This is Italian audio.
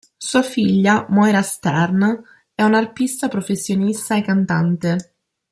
Sua figlia, Moira Stern, è un'arpista professionista e cantante.